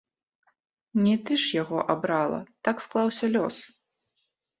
Не ты ж яго абрала, так склаўся лёс.